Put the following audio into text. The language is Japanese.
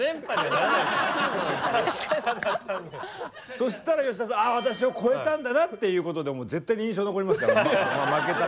そしたら吉田さん「あぁ私を越えたんだな」っていうことでもう絶対に印象に残りますから。